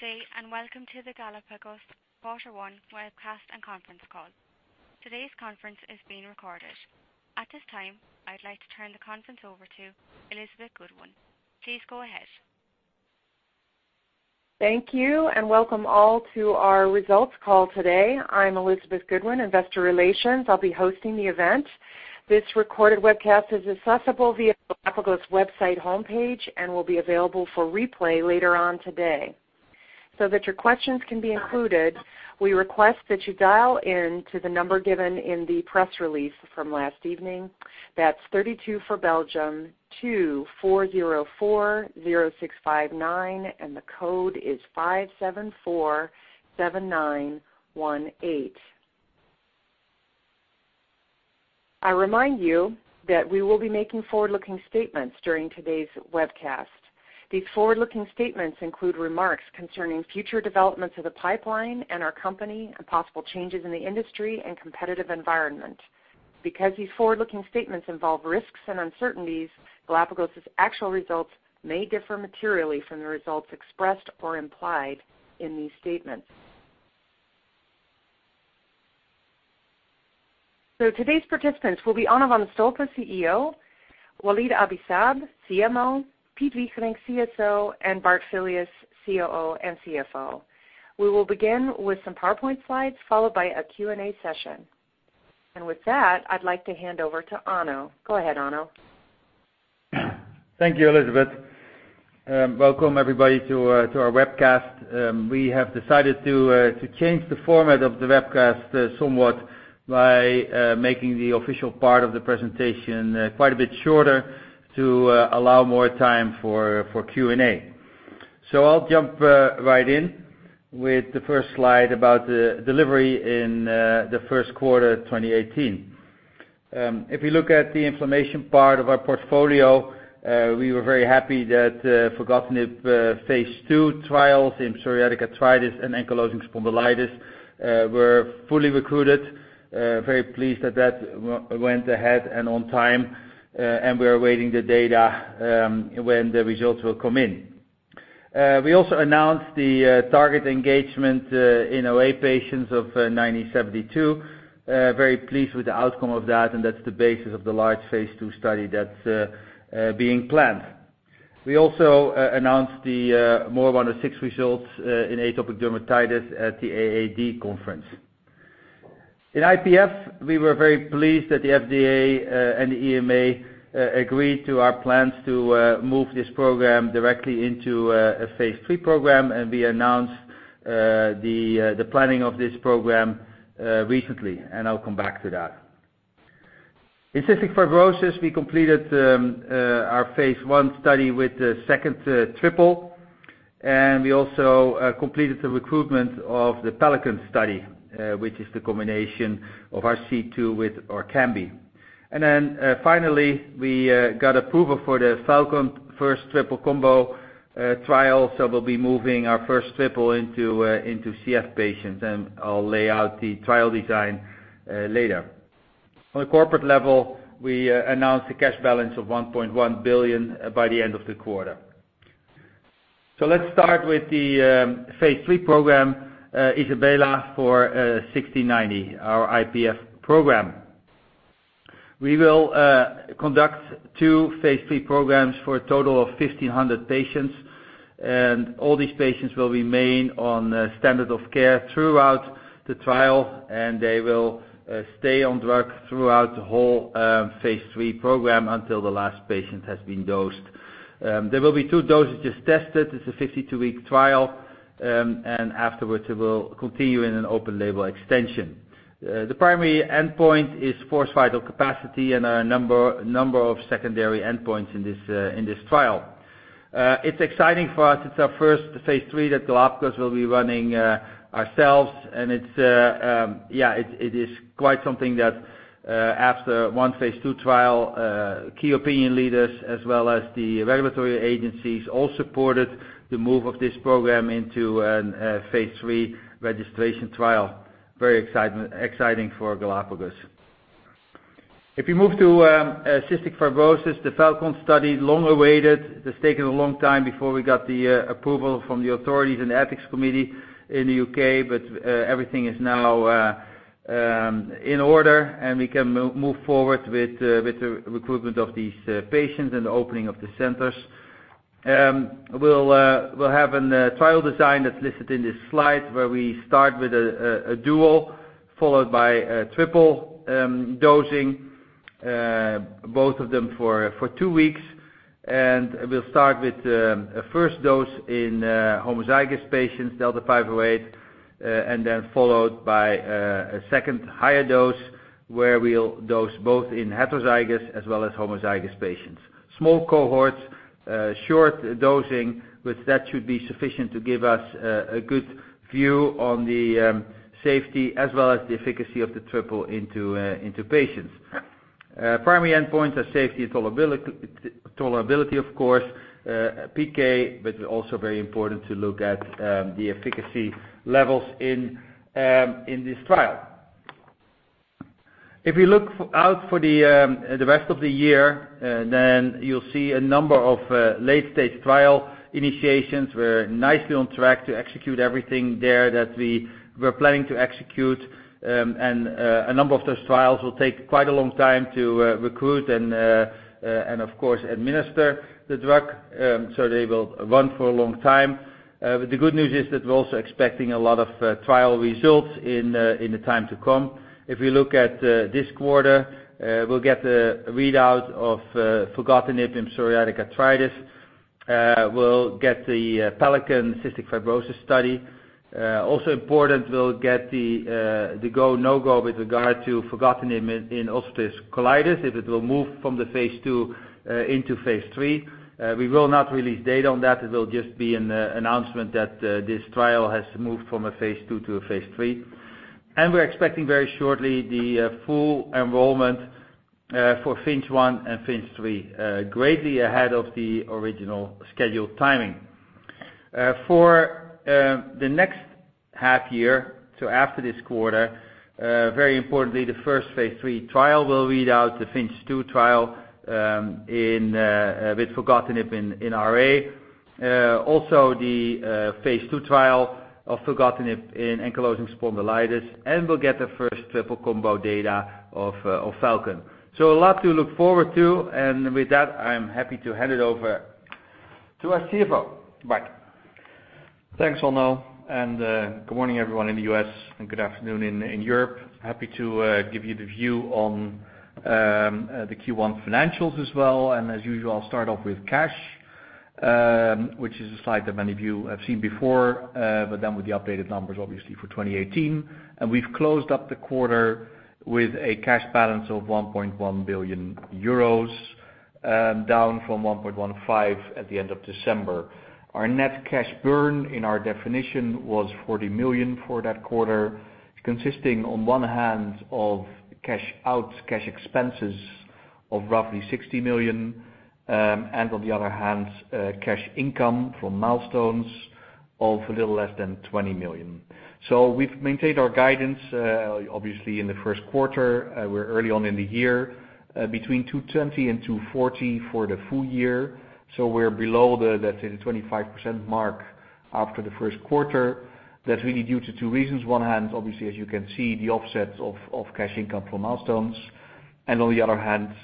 Good day. Welcome to the Galapagos Q1 Webcast and Conference Call. Today's conference is being recorded. At this time, I'd like to turn the conference over to Elizabeth Goodwin. Please go ahead. Thank you. Welcome all to our results call today. I'm Elizabeth Goodwin, Investor Relations. I'll be hosting the event. This recorded webcast is accessible via Galapagos website homepage and will be available for replay later on today. That your questions can be included, we request that you dial in to the number given in the press release from last evening. That's 32 for Belgium, 24040659. The code is 5747918. I remind you that we will be making forward-looking statements during today's webcast. These forward-looking statements include remarks concerning future developments of the pipeline and our company, and possible changes in the industry and competitive environment. Because these forward-looking statements involve risks and uncertainties, Galapagos' actual results may differ materially from the results expressed or implied in these statements. Today's participants will be Onno van de Stolpe, CEO, Walid Abi-Saab, CMO, Piet Wigerinck, CSO, and Bart Filius, COO and CFO. We will begin with some PowerPoint slides followed by a Q&A session. With that, I'd like to hand over to Onno. Go ahead, Onno. Thank you, Elizabeth. Welcome everybody to our webcast. We have decided to change the format of the webcast somewhat by making the official part of the presentation quite a bit shorter to allow more time for Q&A. I'll jump right in with the first slide about the delivery in Q1 2018. If you look at the inflammation part of our portfolio, we were very happy that filgotinib phase II trials in psoriatic arthritis and ankylosing spondylitis were fully recruited. Very pleased that that went ahead and on time, and we are awaiting the data when the results will come in. We also announced the target engagement in OA patients of 9072. Very pleased with the outcome of that, and that's the basis of the large phase II study that's being planned. We also announced the MOR106 results in atopic dermatitis at the AAD conference. In IPF, we were very pleased that the FDA and the EMA agreed to our plans to move this program directly into a phase III program. We announced the planning of this program recently, and I'll come back to that. In cystic fibrosis, we completed our phase I study with the second triple. We also completed the recruitment of the PELICAN study, which is the combination of C2 with ORKAMBI. Finally, we got approval for the FALCON first triple combo trial. We'll be moving our first triple into CF patients, and I'll lay out the trial design later. On a corporate level, we announced a cash balance of $1.1 billion by the end of the quarter. Let's start with the phase III program, ISABELA for GLPG1690, our IPF program. We will conduct two phase III programs for a total of 1,500 patients. All these patients will remain on standard of care throughout the trial. They will stay on drug throughout the whole phase III program until the last patient has been dosed. There will be two dosages tested. It's a 52-week trial, and afterwards it will continue in an open-label extension. The primary endpoint is forced vital capacity and a number of secondary endpoints in this trial. It's exciting for us. It's our first phase III that Galapagos will be running ourselves, and it is quite something that after one phase II trial, key opinion leaders as well as the regulatory agencies all supported the move of this program into a phase III registration trial. Very exciting for Galapagos. If you move to cystic fibrosis, the FALCON study, long awaited. It has taken a long time before we got the approval from the authorities and ethics committee in the U.K., but everything is now in order. We can move forward with the recruitment of these patients and the opening of the centers. We'll have a trial design that's listed in this slide, where we start with a dual followed by a triple dosing, both of them for two weeks. We'll start with a first dose in homozygous patients, delta F508, and then followed by a second higher dose where we'll dose both in heterozygous as well as homozygous patients. Small cohorts, short dosing with that should be sufficient to give us a good view on the safety as well as the efficacy of the triple into patients. Primary endpoints are safety and tolerability, of course, PK. Also very important to look at the efficacy levels in this trial. If you look out for the rest of the year, you'll see a number of late-stage trial initiations. We're nicely on track to execute everything there that we were planning to execute. A number of those trials will take quite a long time to recruit and of course, administer the drug. They will run for a long time. The good news is that we're also expecting a lot of trial results in the time to come. If we look at this quarter, we'll get a readout of filgotinib in psoriatic arthritis. We'll get the PELICAN cystic fibrosis study. Also important, we'll get the go, no-go with regard to filgotinib in ulcerative colitis, if it will move from the phase II into phase III. We will not release data on that. It will just be an announcement that this trial has moved from a phase II to a phase III. We're expecting very shortly the full enrollment for FINCH 1 and FINCH 3, greatly ahead of the original scheduled timing. For the next half year, so after this quarter, very importantly, the first phase III trial will read out the FINCH 2 trial with filgotinib in RA. Also, the phase II trial of filgotinib in ankylosing spondylitis, and we'll get the first triple combo data of FALCON. A lot to look forward to. With that, I'm happy to hand it over to our CFO, Bart. Thanks, Onno. Good morning everyone in the U.S. and good afternoon in Europe. Happy to give you the view on the Q1 financials as well. As usual, I'll start off with cash, which is a slide that many of you have seen before, but then with the updated numbers obviously for 2018. We've closed up the quarter with a cash balance of 1.1 billion euros, down from 1.15 billion at the end of December. Our net cash burn in our definition was 40 million for that quarter, consisting on one hand of cash out, cash expenses of roughly 60 million, and on the other hand, cash income from milestones of a little less than 20 million. We've maintained our guidance, obviously in the first quarter, we're early on in the year, between 220 million and 240 million for the full year. We're below the 25% mark after the first quarter. That's really due to two reasons. On one hand, obviously, as you can see, the offset of cash income from milestones. On the other hand,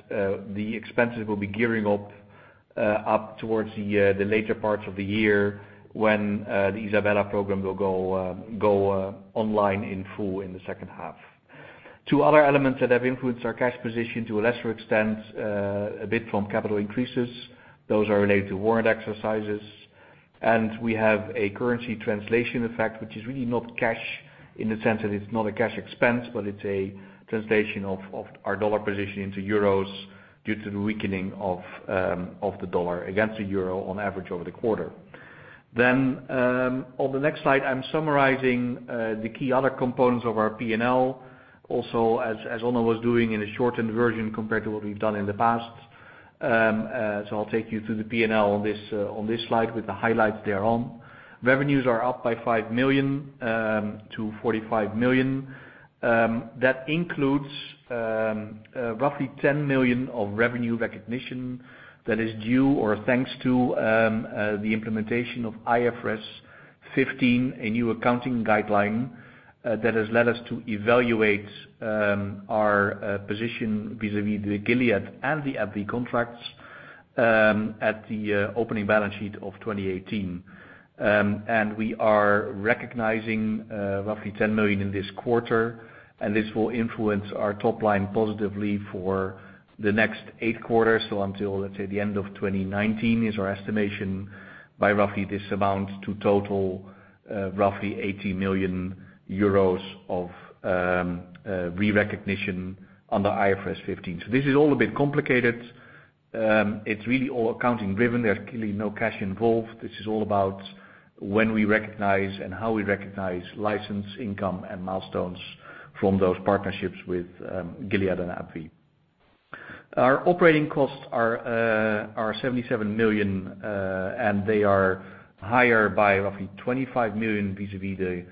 the expenses will be gearing up towards the later parts of the year when the ISABELA program will go online in full in the second half. Two other elements that have influenced our cash position to a lesser extent, a bit from capital increases. Those are related to warrant exercises. We have a currency translation effect, which is really not cash in the sense that it's not a cash expense, but it's a translation of our dollar position into euros due to the weakening of the dollar against the euro on average over the quarter. On the next slide, I'm summarizing the key other components of our P&L. As Onno was doing in a shortened version compared to what we've done in the past. I'll take you through the P&L on this slide with the highlights thereon. Revenues are up by 5 million to 45 million. That includes roughly 10 million of revenue recognition that is due or thanks to the implementation of IFRS 15, a new accounting guideline that has led us to evaluate our position vis-a-vis the Gilead and the AbbVie contracts at the opening balance sheet of 2018. We are recognizing roughly 10 million in this quarter, and this will influence our top line positively for the next eight quarters, so until, let's say, the end of 2019 is our estimation. By roughly this amount to total roughly 80 million euros of re-recognition under IFRS 15. This is all a bit complicated. It's really all accounting driven. There's clearly no cash involved. This is all about when we recognize and how we recognize license income and milestones from those partnerships with Gilead and AbbVie. Our operating costs are 77 million, they are higher by roughly 25 million vis-a-vis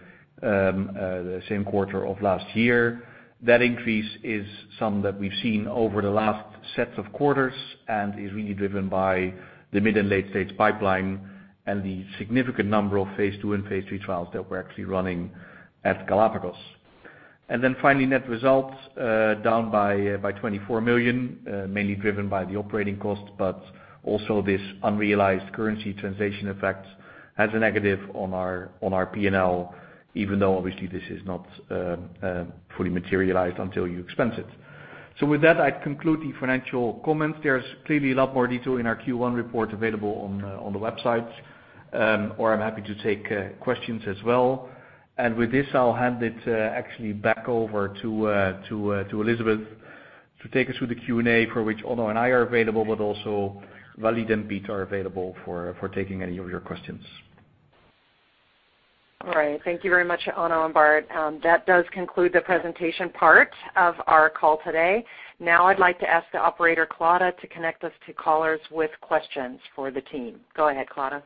the same quarter of last year. That increase is some that we've seen over the last sets of quarters and is really driven by the mid and late-stage pipeline and the significant number of phase II and phase III trials that we're actually running at Galapagos. Finally, net results down by 24 million, mainly driven by the operating cost, but also this unrealized currency translation effect has a negative on our P&L, even though obviously this is not fully materialized until you expense it. With that, I conclude the financial comments. There's clearly a lot more detail in our Q1 report available on the website, or I'm happy to take questions as well. With this, I'll hand it actually back over to Elizabeth to take us through the Q&A, for which Onno and I are available, but also Walid and Piet are available for taking any of your questions. All right. Thank you very much, Onno and Bart. That does conclude the presentation part of our call today. Now I'd like to ask the operator, Claudia, to connect us to callers with questions for the team. Go ahead, Claudia.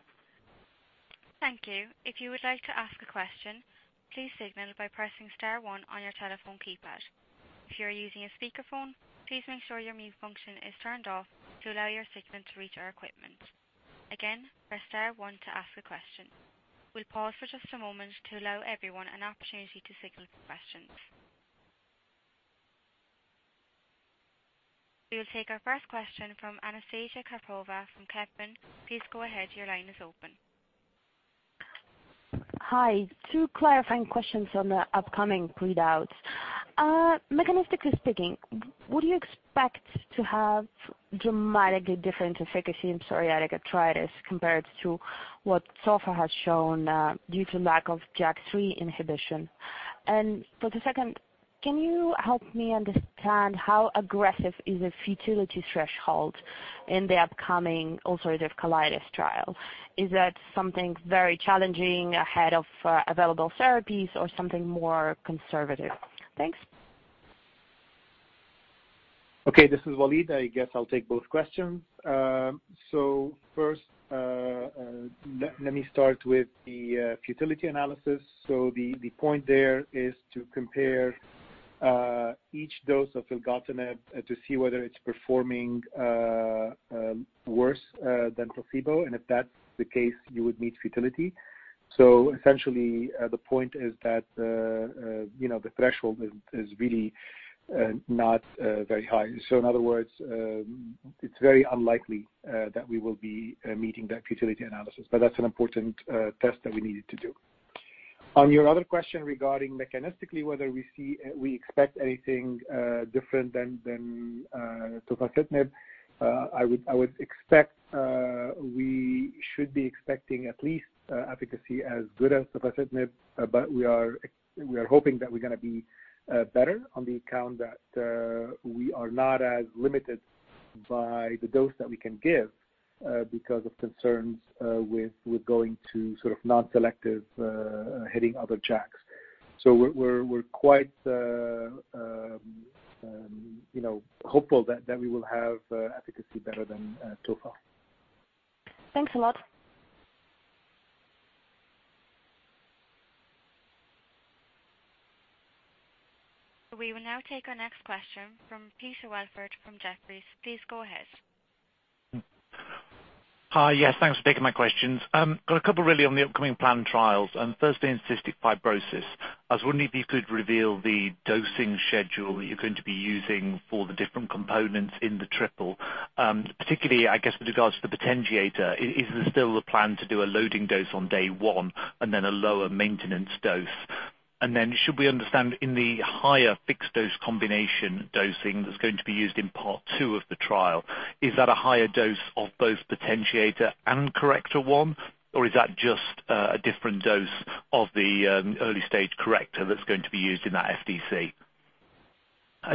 Thank you. If you would like to ask a question, please signal by pressing star one on your telephone keypad. If you are using a speakerphone, please make sure your mute function is turned off to allow your signal to reach our equipment. Again, press star one to ask a question. We'll pause for just a moment to allow everyone an opportunity to signal for questions. We will take our first question from Anastasia Karpova from Kempen. Please go ahead. Your line is open. Hi, two clarifying questions on the upcoming readouts. Mechanistically speaking, would you expect to have dramatically different efficacy in psoriatic arthritis compared to what tofa has shown due to lack of JAK3 inhibition? For the second, can you help me understand how aggressive is a futility threshold in the upcoming ulcerative colitis trial? Is that something very challenging ahead of available therapies or something more conservative? Thanks. Okay. This is Walid. I guess I'll take both questions. First, let me start with the futility analysis. The point there is to compare each dose of filgotinib to see whether it's performing worse than placebo. If that's the case, you would meet futility. Essentially, the point is that the threshold is really not very high. In other words, it's very unlikely that we will be meeting that futility analysis. That's an important test that we needed to do. On your other question regarding mechanistically, whether we expect anything different than tofacitinib, I would expect we should be expecting at least efficacy as good as tofacitinib, but we are hoping that we're going to be better on the account that we are not as limited by the dose that we can give because of concerns with going to sort of non-selective hitting other JAKs. We're quite hopeful that we will have efficacy better than tofa. Thanks a lot. We will now take our next question from Peter Welford from Jefferies. Please go ahead. Hi. Yes, thanks for taking my questions. Got a couple really on the upcoming planned trials. Firstly, in cystic fibrosis, I was wondering if you could reveal the dosing schedule that you're going to be using for the different components in the triple. Particularly, I guess with regards to the potentiator, is there still a plan to do a loading dose on day one and then a lower maintenance dose? Should we understand in the higher fixed dose combination dosing that's going to be used in part two of the trial, is that a higher dose of both potentiator and corrector one? Is that just a different dose of the early-stage corrector that's going to be used in that SDC?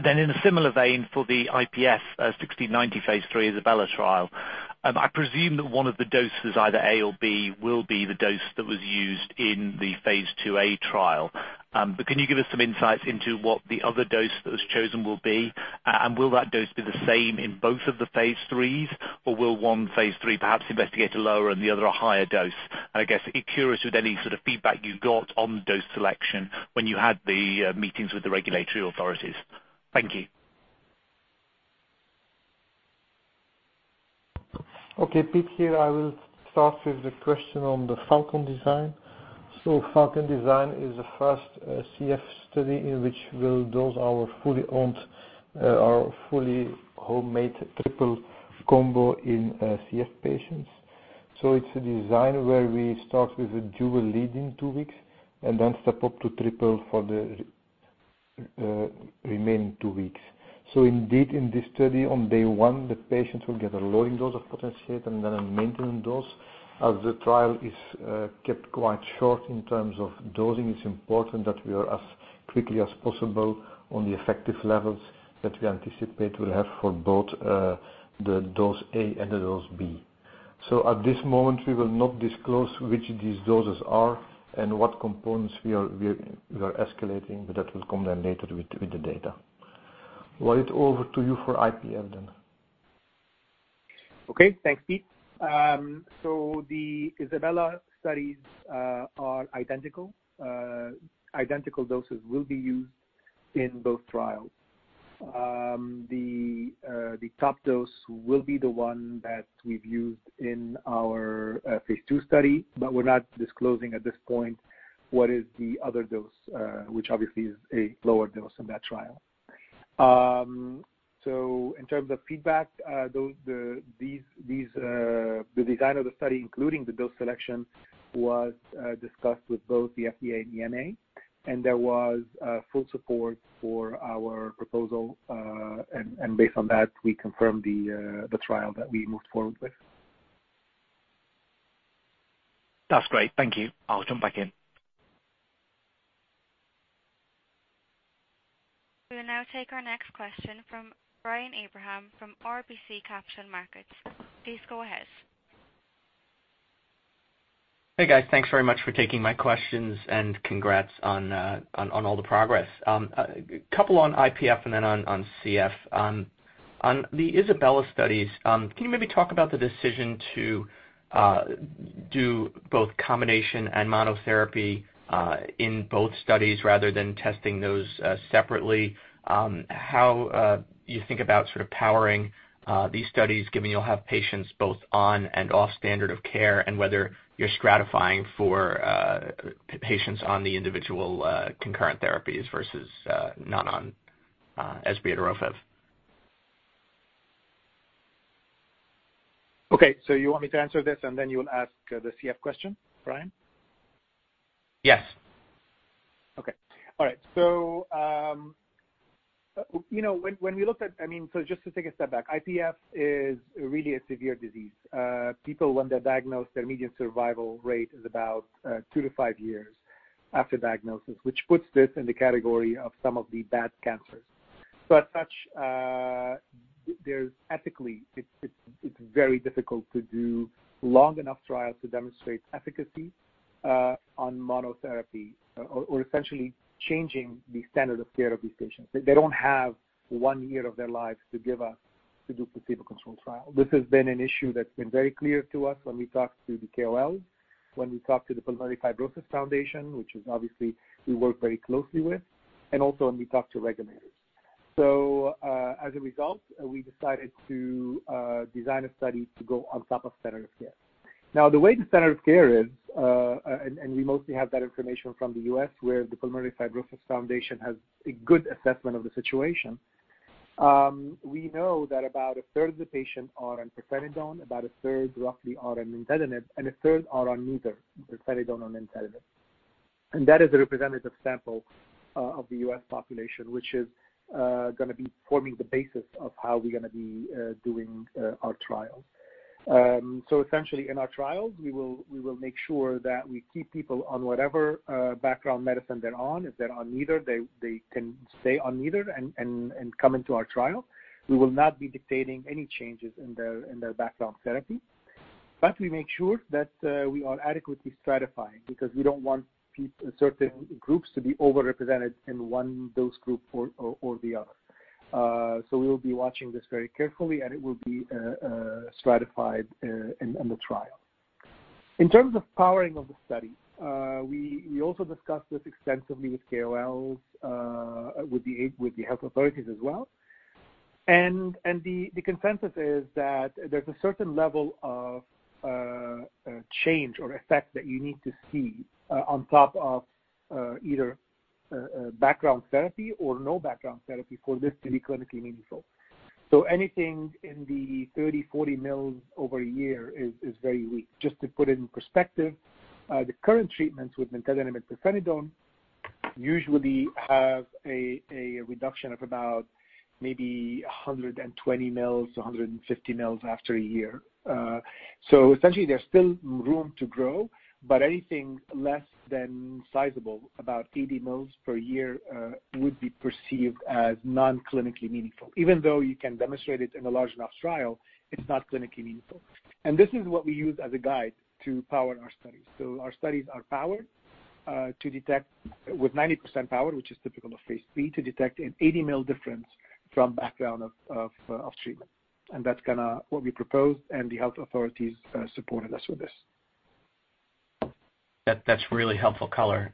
In a similar vein, for the GLPG1690 phase III ISABELA trial, I presume that one of the doses, either A or B, will be the dose that was used in the phase IIa trial. Can you give us some insights into what the other dose that was chosen will be? Will that dose be the same in both of the phase IIIs, will one phase III perhaps investigate a lower and the other a higher dose? I guess, curious with any sort of feedback you got on dose selection when you had the meetings with the regulatory authorities. Thank you. Okay, Piet here. I will start with the question on the FALCON design. FALCON design is the first CF study in which we'll dose our fully homemade triple combo in CF patients. It's a design where we start with a dual lead in two weeks and then step up to triple for the remaining two weeks. Indeed, in this study, on day one, the patients will get a loading dose of potentiator and then a maintenance dose. As the trial is kept quite short in terms of dosing, it's important that we are as quickly as possible on the effective levels that we anticipate we'll have for both the dose A and the dose B. At this moment, we will not disclose which these doses are and what components we are escalating, but that will come then later with the data. Walid, over to you for IPF then. Okay. Thanks, Piet. The ISABELA studies are identical. Identical doses will be used in both trials. The top dose will be the one that we've used in our Phase II study. We're not disclosing at this point what is the other dose, which obviously is a lower dose in that trial. In terms of feedback, the design of the study, including the dose selection, was discussed with both the FDA and EMA. There was full support for our proposal. Based on that, we confirmed the trial that we moved forward with. That's great. Thank you. I'll jump back in. We will now take our next question from Brian Abrahams from RBC Capital Markets. Please go ahead. Hey, guys, thanks very much for taking my questions and congrats on all the progress. A couple on IPF and then on CF. On the ISABELA studies, can you maybe talk about the decision to do both combination and monotherapy in both studies rather than testing those separately? How you think about sort of powering these studies, given you'll have patients both on and off standard of care, and whether you're stratifying for patients on the individual concurrent therapies versus not on Esbriet or Ofev. Okay, you want me to answer this and then you'll ask the CF question, Brian? Yes. Okay. All right. Just to take a step back, IPF is really a severe disease. People, when they're diagnosed, their median survival rate is about two to five years after diagnosis, which puts this in the category of some of the bad cancers. As such, ethically, it's very difficult to do long enough trials to demonstrate efficacy on monotherapy or essentially changing the standard of care of these patients. They don't have one year of their lives to give us to do a placebo-controlled trial. This has been an issue that's been very clear to us when we talk to the KOL, when we talk to the Pulmonary Fibrosis Foundation, which obviously we work very closely with, and also when we talk to regulators. As a result, we decided to design a study to go on top of standard of care. The way the standard of care is, we mostly have that information from the U.S. where the Pulmonary Fibrosis Foundation has a good assessment of the situation. We know that about a third of the patients are on pirfenidone, about a third, roughly, are on nintedanib, and a third are on neither pirfenidone nor nintedanib. That is a representative sample of the U.S. population, which is going to be forming the basis of how we're going to be doing our trial. Essentially, in our trials, we will make sure that we keep people on whatever background medicine they're on. If they're on neither, they can stay on neither and come into our trial. We will not be dictating any changes in their background therapy. We make sure that we are adequately stratifying, because we don't want certain groups to be over-represented in one dose group or the other. We will be watching this very carefully, and it will be stratified in the trial. In terms of powering of the study, we also discussed this extensively with KOLs, with the health authorities as well. The consensus is that there's a certain level of change or effect that you need to see on top of either background therapy or no background therapy for this to be clinically meaningful. Anything in the 30, 40 mils over a year is very weak. Just to put it in perspective, the current treatments with nintedanib and pirfenidone usually have a reduction of about maybe 120 mils to 150 mils after a year. Essentially, there's still room to grow, but anything less than sizable, about 80 mils per year, would be perceived as non-clinically meaningful. Even though you can demonstrate it in a large enough trial, it's not clinically meaningful. This is what we use as a guide to power our studies. Our studies are powered to detect with 90% power, which is typical of phase III, to detect an 80 mil difference from background of treatment. That's what we proposed, and the health authorities supported us with this. That's really helpful color.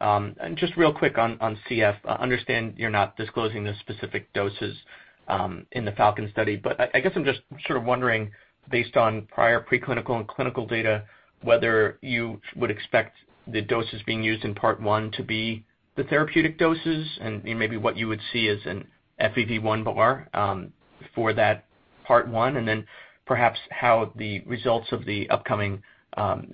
Just real quick on CF. I understand you're not disclosing the specific doses in the FALCON study, but I guess I'm just sort of wondering, based on prior preclinical and clinical data, whether you would expect the doses being used in part 1 to be the therapeutic doses and maybe what you would see as an FEV1 bar for that part 1, and then perhaps how the results of the upcoming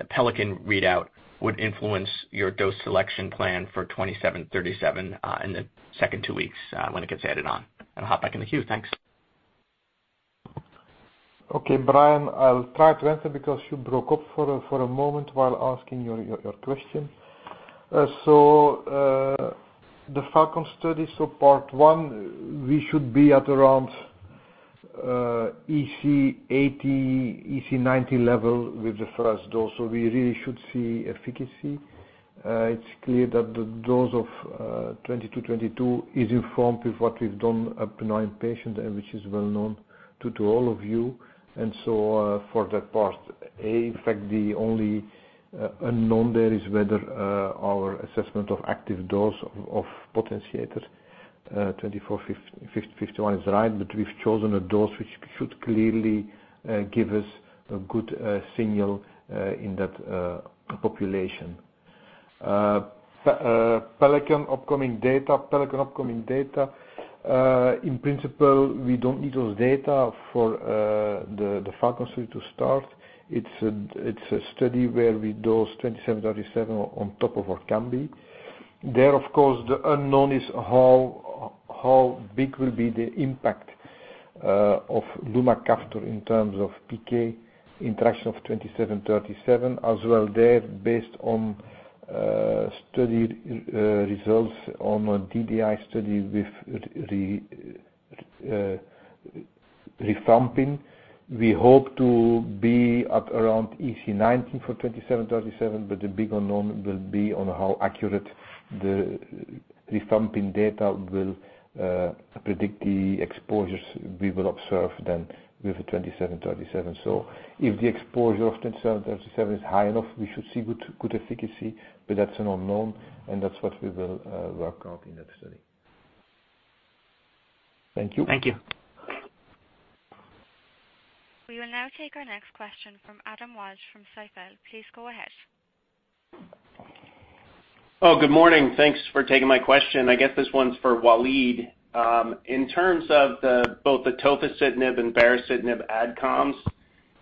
PELICAN readout would influence your dose selection plan for 2737 in the second two weeks when it gets added on. I'll hop back in the queue. Thanks. Okay, Brian, I'll try to answer because you broke up for a moment while asking your question. The FALCON study. Part 1, we should be at around EC80, EC90 level with the first dose. We really should see efficacy. It's clear that the dose of 2222 is informed with what we've done up to nine patients, and which is well known to all of you. For that part, in fact, the only unknown there is whether our assessment of active dose of potentiators 2451 is right, but we've chosen a dose which should clearly give us a good signal in that population. PELICAN upcoming data, in principle, we don't need those data for the FALCON study to start. It's a study where we dose 2737 on top of ORKAMBI. There, of course, the unknown is how big will be the impact of lumacaftor in terms of PK interaction of GLPG2737, as well there, based on study results on DDI study with rifampin. We hope to be at around EC90 for GLPG2737, but the big unknown will be on how accurate the rifampin data will predict the exposures we will observe then with the GLPG2737. If the exposure of GLPG2737 is high enough, we should see good efficacy, but that's an unknown, and that's what we will work out in that study. Thank you. Thank you. We will now take our next question from Adam Walsh from Stifel. Please go ahead. Good morning. Thanks for taking my question. I guess this one's for Walid. In terms of both the tofacitinib and baricitinib AdComs,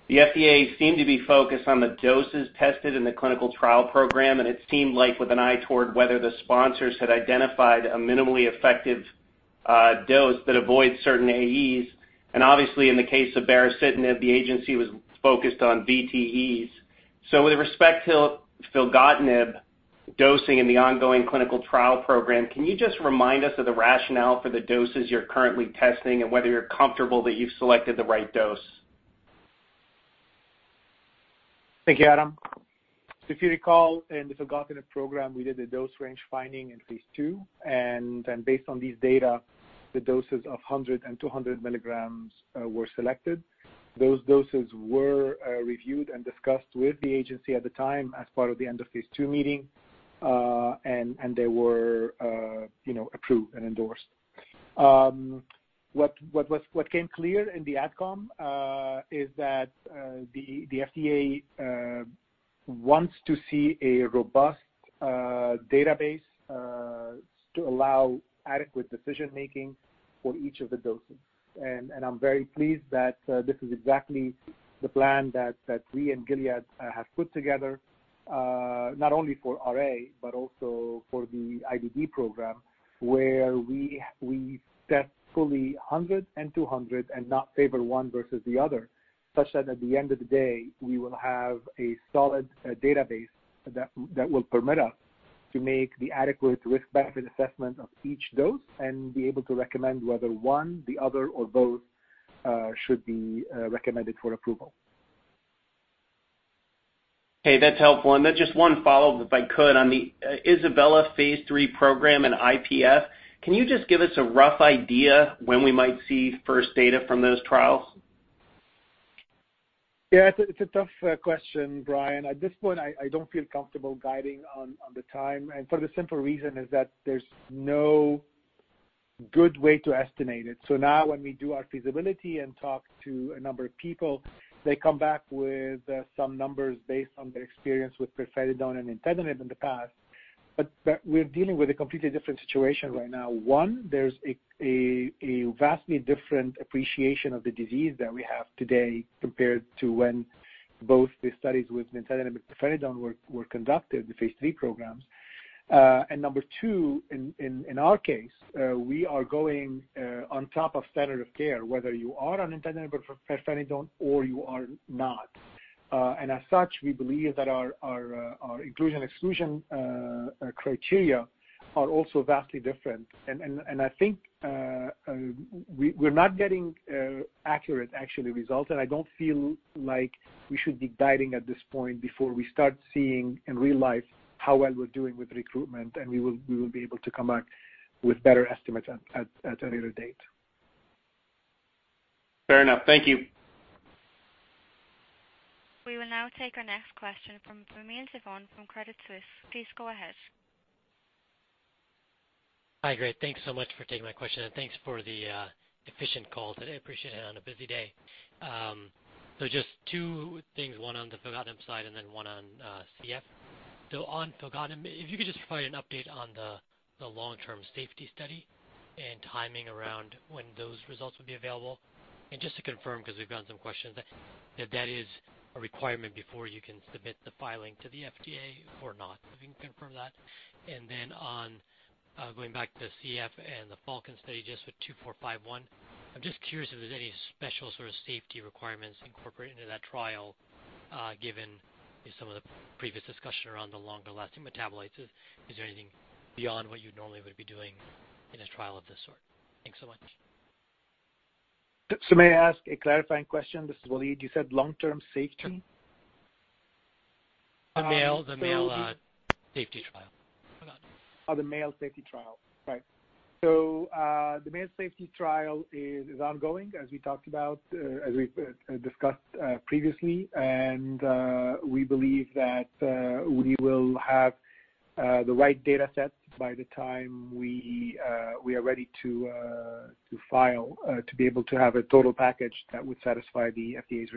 the FDA seemed to be focused on the doses tested in the clinical trial program, and it seemed like with an eye toward whether the sponsors had identified a minimally effective dose that avoids certain AEs. And obviously, in the case of baricitinib, the agency was focused on VTEs. With respect to filgotinib dosing in the ongoing clinical trial program, can you just remind us of the rationale for the doses you're currently testing and whether you're comfortable that you've selected the right dose? Thank you, Adam. If you recall, in the filgotinib program, we did a dose range finding in phase II. Based on these data, the doses of 100 and 200 milligrams were selected. Those doses were reviewed and discussed with the agency at the time as part of the end-of-phase II meeting. They were approved and endorsed. What came clear in the AdCom is that the FDA wants to see a robust database to allow adequate decision-making for each of the doses. I'm very pleased that this is exactly the plan that we and Gilead have put together, not only for RA but also for the IBD program, where we test fully 100 and 200 and not favor one versus the other, such that at the end of the day, we will have a solid database that will permit us to make the adequate risk-benefit assessment of each dose and be able to recommend whether one, the other, or both should be recommended for approval. Okay, that's helpful. Just one follow-up, if I could, on the ISABELA phase III program and IPF. Can you just give us a rough idea when we might see first data from those trials? Yeah, it's a tough question, Brian. At this point, I don't feel comfortable guiding on the time. For the simple reason is that there's no good way to estimate it. Now when we do our feasibility and talk to a number of people, they come back with some numbers based on their experience with pirfenidone and nintedanib in the past. We're dealing with a completely different situation right now. One, there's a vastly different appreciation of the disease that we have today compared to when both the studies with nintedanib and pirfenidone were conducted, the phase III programs. Number two, in our case, we are going on top of standard of care, whether you are on nintedanib or pirfenidone or you are not. As such, we believe that our inclusion/exclusion criteria are also vastly different. I think we're not getting accurate, actually, results, and I don't feel like we should be guiding at this point before we start seeing in real-life how well we're doing with recruitment, and we will be able to come back with better estimates at a later date. Fair enough. Thank you. We will now take our next question from Bhumi Sevon from Credit Suisse. Please go ahead. Hi, great. Thanks so much for taking my question, and thanks for the efficient call today. I appreciate it on a busy day. Just two things, one on the filgotinib side and then one on CF. On filgotinib, if you could just provide an update on the long-term safety study and timing around when those results would be available. Just to confirm, because we've gotten some questions, that that is a requirement before you can submit the filing to the FDA or not. If you can confirm that. Then going back to CF and the FALCON study, just with two four five one, I'm just curious if there's any special sort of safety requirements incorporated into that trial, given some of the previous discussion around the longer-lasting metabolites. Is there anything beyond what you normally would be doing in a trial of this sort? Thanks so much. May I ask a clarifying question? This is Walid. You said long-term safety? The male safety trial for that. The male safety trial. Right. The male safety trial is ongoing, as we talked about, as we discussed previously. We believe that we will have the right data sets by the time we are ready to file to be able to have a total package that would satisfy the FDA's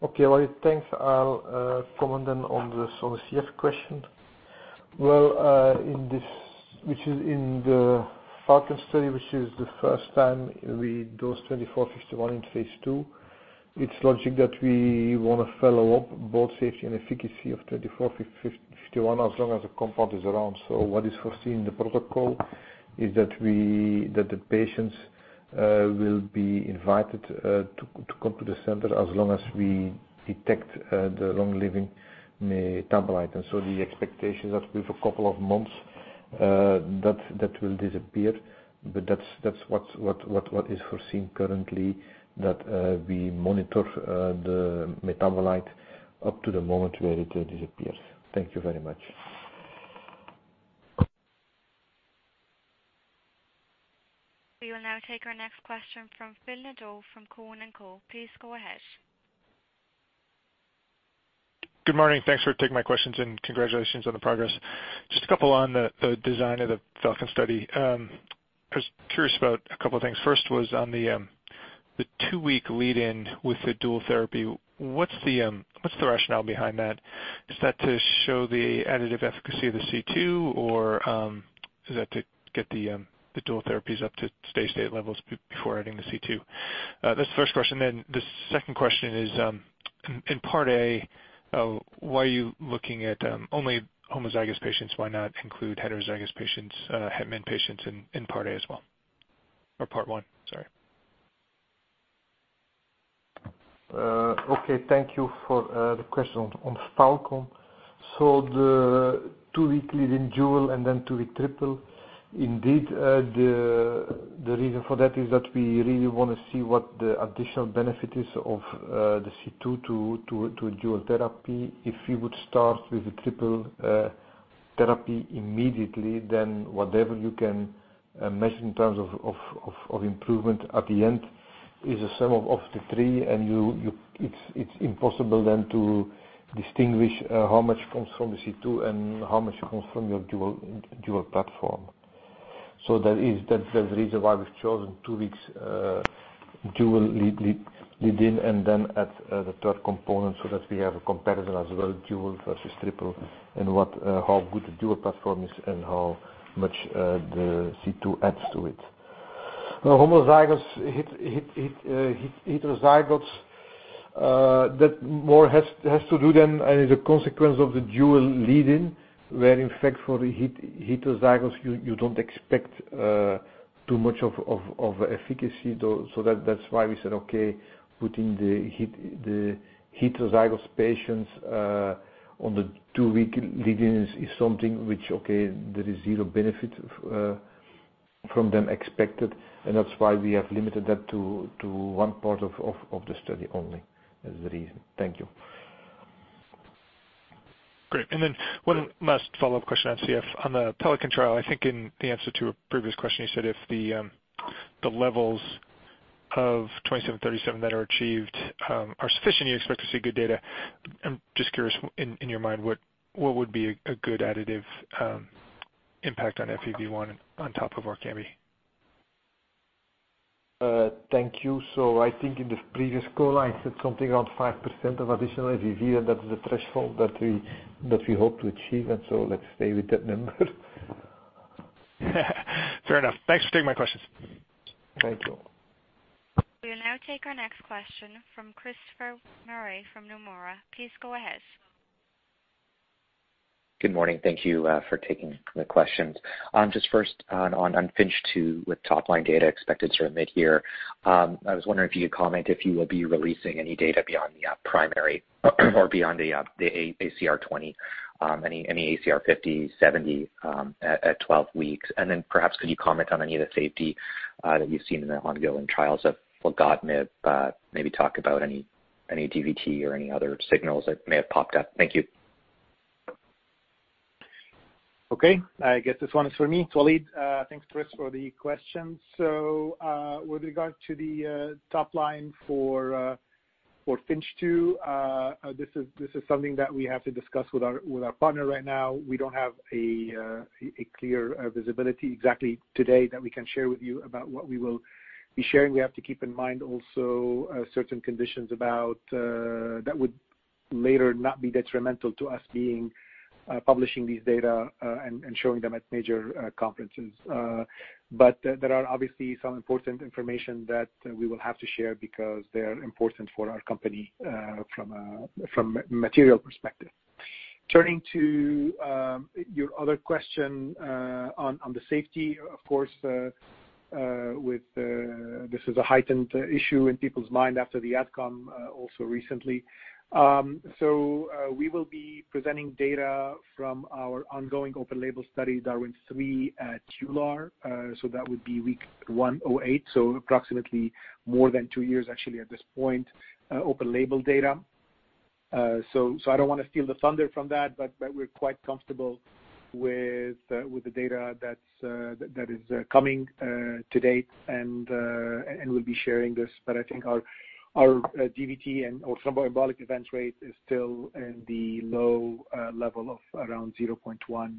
requirement. I'll comment then on the CF question. In the FALCON study, which is the first time we dosed GLPG2451 in phase II, it is logic that we want to follow up both safety and efficacy of GLPG2451 as long as the compound is around. What is foreseen in the protocol is that the patients will be invited to come to the center as long as we detect the long-living metabolite. The expectation that with a couple of months, that will disappear. That is what is foreseen currently, that we monitor the metabolite up to the moment where it disappears. Thank you very much. We will now take our next question from Phil Nadeau from Cowen and Company. Please go ahead. Good morning. Thanks for taking my questions, and congratulations on the progress. Just a couple on the design of the FALCON study. I was curious about a couple of things. First was on the two-week lead-in with the dual therapy. What is the rationale behind that? Is that to show the additive efficacy of the C2, or is that to get the dual therapies up to steady-state levels before adding the C2? That is the first question. The second question is, in Part A, why are you looking at only homozygous patients? Why not include heterozygous patients, Het/Min patients in Part A as well, or Part 1, sorry. Thank you for the question on FALCON. The two-week lead-in dual and then two-week triple. Indeed, the reason for that is that we really want to see what the additional benefit is of the C2 to a dual therapy. If we would start with a triple therapy immediately, then whatever you can measure in terms of improvement at the end is a sum of the three, and it is impossible then to distinguish how much comes from the C2 and how much comes from your dual platform. That is the reason why we have chosen two weeks dual lead-in and then add the third component so that we have a comparison as well, dual versus triple, and how good the dual platform is and how much the C2 adds to it. Homozygous, heterozygotes, that more has to do then as a consequence of the dual lead-in, where in fact for the heterozygotes, you don't expect too much of efficacy. That's why we said, okay, putting the heterozygous patients on the two-week lead-in is something which, okay, there is zero benefit from them expected, and that's why we have limited that to one part of the study only. That is the reason. Thank you. Great. One last follow-up question on CF. On the PELICAN trial, I think in the answer to a previous question, you said if the levels of 2737 that are achieved are sufficient, you expect to see good data. I'm just curious, in your mind, what would be a good additive impact on FEV1 on top of ORKAMBI? Thank you. I think in the previous call I said something around 5% of additional FEV1, and that's the threshold that we hope to achieve. Let's stay with that number. Fair enough. Thanks for taking my questions. Thank you. We will now take our next question from Christopher Murray from Nomura. Please go ahead. Good morning. Thank you for taking the questions. Just first on FINCH 2, with top-line data expected mid-year. I was wondering if you could comment if you will be releasing any data beyond the primary or beyond the ACR20, any ACR50/70 at 12 weeks. Perhaps could you comment on any of the safety that you've seen in the ongoing trials of filgotinib, maybe talk about any DVT or any other signals that may have popped up. Thank you. Okay, I guess this one is for me, Walid. Thanks, Chris, for the question. With regard to the top line for FINCH 2, this is something that we have to discuss with our partner right now. We don't have a clear visibility exactly today that we can share with you about what we will be sharing. We have to keep in mind also certain conditions that would later not be detrimental to us publishing these data and showing them at major conferences. There are obviously some important information that we will have to share because they are important for our company from a material perspective. Turning to your other question on the safety, of course, this is a heightened issue in people's mind after the outcome also recently. We will be presenting data from our ongoing open label study, DARWIN 3 at EULAR. That would be week 108, approximately more than two years, actually, at this point, open label data. I don't want to steal the thunder from that, but we're quite comfortable with the data that is coming to date and we'll be sharing this. I think our DVT and thromboembolic events rate is still in the low level of around 0.1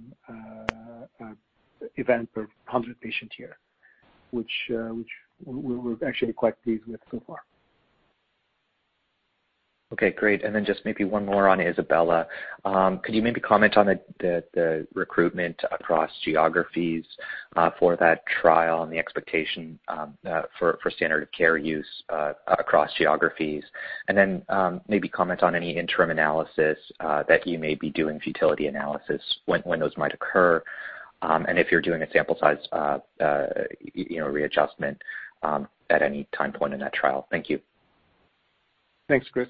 event per 100 patient-year, which we're actually quite pleased with so far. Okay, great. Just maybe one more on ISABELA. Could you maybe comment on the recruitment across geographies for that trial and the expectation for standard of care use across geographies? Maybe comment on any interim analysis that you may be doing, futility analysis, when those might occur. If you're doing a sample size readjustment at any time point in that trial. Thank you. Thanks, Chris.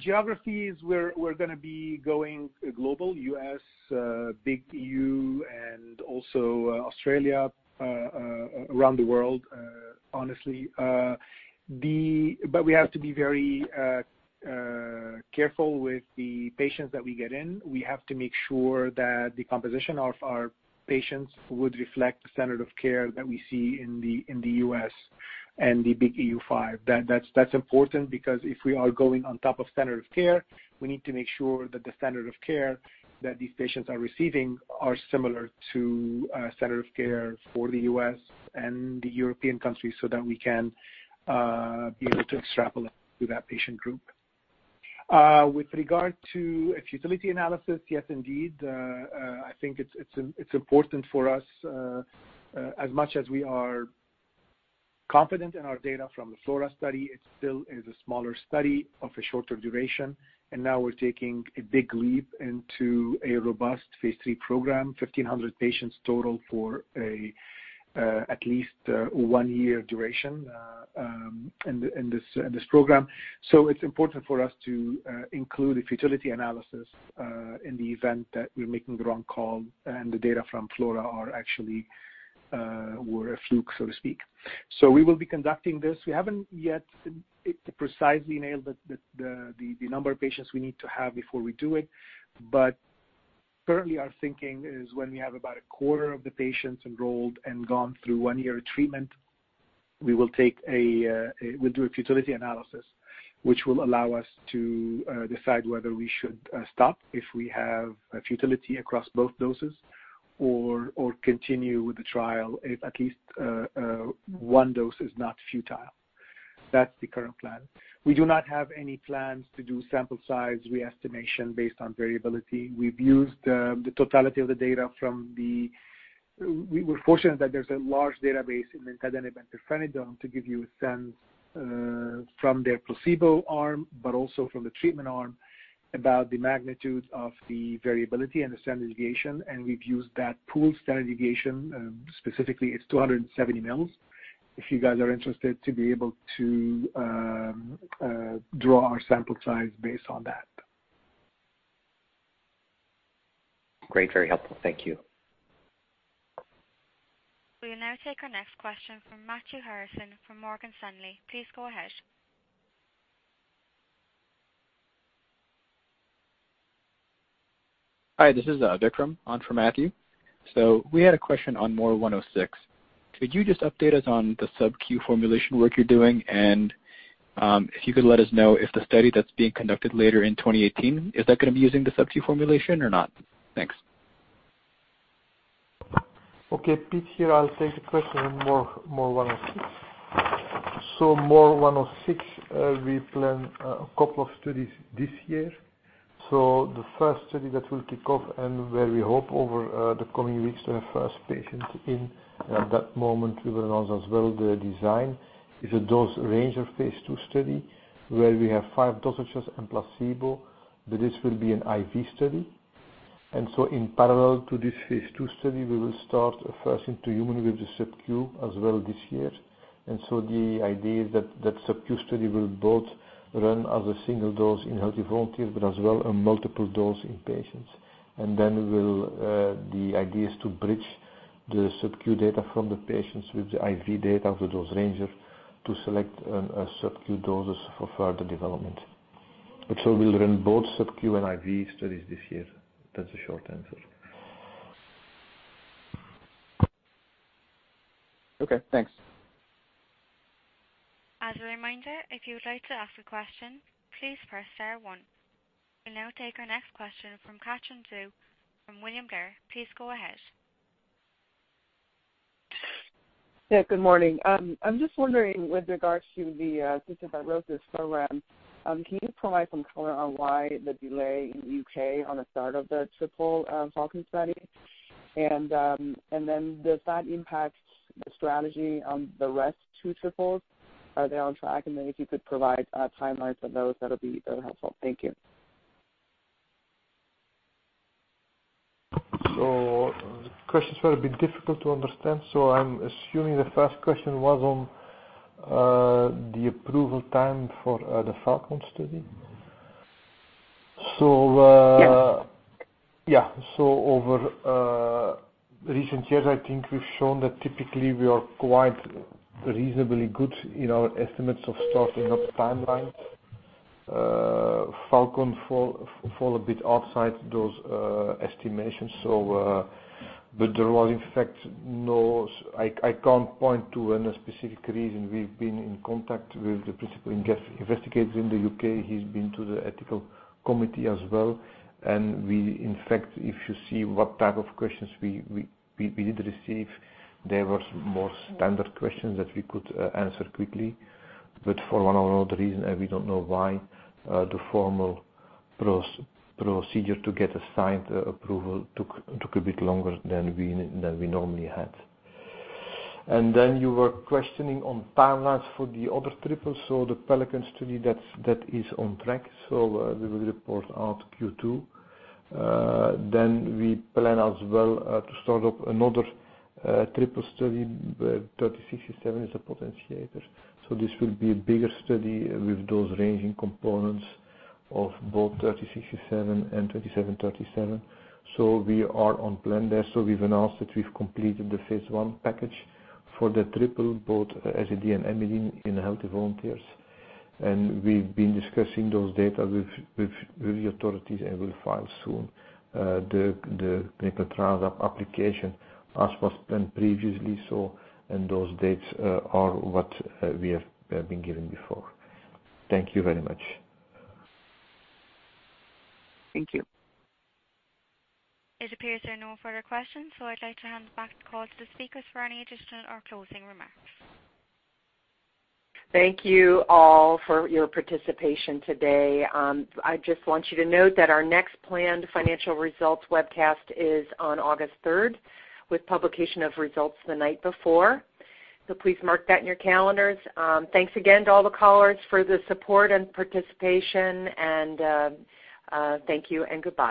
Geographies, we're going to be going global, U.S., big EU, and also Australia, around the world, honestly. We have to be very careful with the patients that we get in. We have to make sure that the composition of our patients would reflect the standard of care that we see in the U.S. and the big EU 5. That's important because if we are going on top of standard of care, we need to make sure that the standard of care that these patients are receiving are similar to standard of care for the U.S. and the European countries, so that we can be able to extrapolate to that patient group. With regard to a futility analysis, yes, indeed. I think it's important for us. As much as we are confident in our data from the FLORA study, it still is a smaller study of a shorter duration, and now we're taking a big leap into a robust phase III program, 1,500 patients total for at least one year duration in this program. It's important for us to include a futility analysis in the event that we're making the wrong call and the data from FLORA were a fluke, so to speak. We will be conducting this. We haven't yet precisely nailed the number of patients we need to have before we do it. Currently, our thinking is when we have about a quarter of the patients enrolled and gone through one year of treatment, we'll do a futility analysis, which will allow us to decide whether we should stop if we have a futility across both doses or continue with the trial if at least one dose is not futile. That's the current plan. We do not have any plans to do sample size re-estimation based on variability. We were fortunate that there's a large database in nintedanib and pirfenidone to give you a sense from their placebo arm, but also from the treatment arm, about the magnitude of the variability and the standard deviation. We've used that pool standard deviation, specifically it's 270 mils, if you guys are interested, to be able to draw our sample size based on that. Great. Very helpful. Thank you. We will now take our next question from Matthew Harrison from Morgan Stanley. Please go ahead. Hi, this is Vikram on for Matthew. We had a question on MOR106. Could you just update us on the sub-Q formulation work you're doing? If you could let us know if the study that's being conducted later in 2018, is that going to be using the sub-Q formulation or not? Thanks. Okay, Piet here. I'll take the question on MOR106. MOR106, we plan a couple of studies this year. The first study that will kick off and where we hope over the coming weeks to have first patient in. At that moment, we will announce as well the design. It's a dose range of phase II study, where we have five dosages and placebo. This will be an IV study. In parallel to this phase II study, we will start a first-in-human with the sub-Q as well this year. The idea is that sub-Q study will both run as a single dose in healthy volunteers, but as well a multiple dose in patients. Then the idea is to bridge the sub-Q data from the patients with the IV data of the dose ranging to select sub-Q doses for further development. We'll run both sub-Q and IV studies this year. That's the short answer. Okay, thanks. As a reminder, if you would like to ask a question, please press star one. We'll now take our next question from Katherine Tsai from William Blair. Please go ahead. Yeah, good morning. I'm just wondering with regards to the cystic fibrosis program, can you provide some color on why the delay in the U.K. on the start of the Triple FALCON study? Does that impact the strategy on the rest two triples? Are they on track? If you could provide timelines on those, that'll be very helpful. Thank you. The question's sort of been difficult to understand. I'm assuming the first question was on the approval time for the FALCON study. Yes. Yeah. Over recent years, I think we've shown that typically we are quite reasonably good in our estimates of starting up timelines. FALCON fall a bit outside those estimations. I can't point to any specific reason. We've been in contact with the principal investigators in the U.K. He's been to the ethical committee as well. In fact, if you see what type of questions we did receive, they were more standard questions that we could answer quickly. For one or another reason, and we don't know why, the formal procedure to get a signed approval took a bit longer than we normally had. You were questioning on timelines for the other triples. The PELICAN study, that is on track. We will report out Q2. We plan as well to start up another triple study, GLPG3067 as a potentiator. This will be a bigger study with those ranging components of both GLPG3067 and GLPG2737. We are on plan there. We've announced that we've completed the phase I package for the triple, both SAD and MAD in healthy volunteers. We've been discussing those data with the authorities and will file soon the paper trials application as was planned previously. Those dates are what we have been given before. Thank you very much. Thank you. It appears there are no further questions, so I'd like to hand back the call to the speakers for any additional or closing remarks. Thank you all for your participation today. I just want you to note that our next planned financial results webcast is on August 3rd, with publication of results the night before. Please mark that in your calendars. Thanks again to all the callers for the support and participation, and thank you and goodbye.